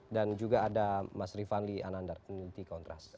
dan juga ada mas rifanli anandar penyelidik kontras